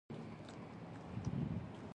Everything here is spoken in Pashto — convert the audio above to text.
هلته ما یو آس ولید چې تړل شوی و.